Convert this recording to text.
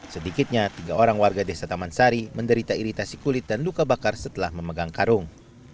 sedikitnya tiga orang warga desa taman sari menderita iritasi kulit dan luka bakar setelah memegang karung